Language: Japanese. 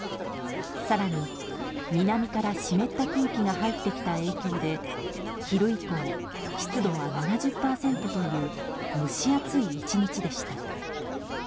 更に南から湿った空気が入ってきた影響で昼以降、湿度は７０％という蒸し暑い１日でした。